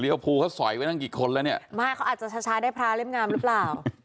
เขาภูเขาสอยไว้ตั้งกี่คนแล้วเนี่ยไม่เขาอาจจะช้าช้าได้พระเล่มงามหรือเปล่า